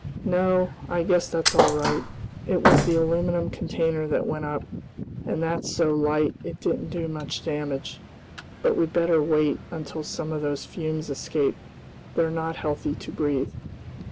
"No, I guess that's all right. It was the aluminum container that went up, and that's so light it didn't do much damage. But we'd better wait until some of those fumes escape. They're not healthy to breathe."